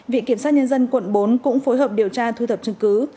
vị kiểm sát nhân dân quận bốn cũng phối hợp điều tra thu thập trung cư